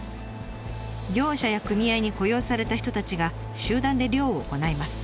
業者や組合に雇用された人たちが集団で漁を行います。